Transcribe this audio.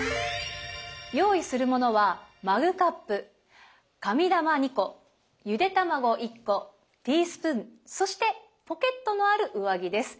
用意するものはマグカップ紙玉２個ゆで卵１個ティースプーンそしてポケットのある上着です。